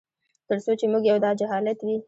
تر څو چي موږ یو داجهالت وي